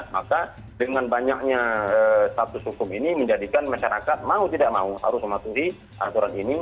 maka dengan banyaknya status hukum ini menjadikan masyarakat mau tidak mau harus mematuhi aturan ini